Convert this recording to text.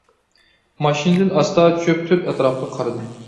ماشىنىدىن ئاستا چۈشۈپ تۆت ئەتراپقا قارىدىم.